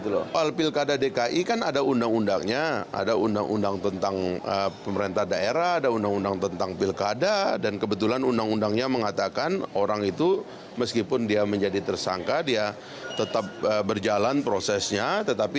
kalau pilkada dki kan ada undang undangnya ada undang undang tentang pemerintah daerah ada undang undang tentang pilkada dan kebetulan undang undangnya mengatakan orang itu meskipun dia menjadi tersangka dia tetap berjalan prosesnya